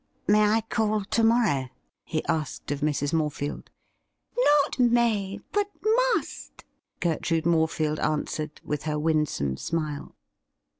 ' May I call to morrow p' he asked of Mrs. Morefield. 'Not may, but must,' Gertrude Morefield answered, with her winsome smile.